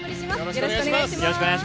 よろしくお願いします。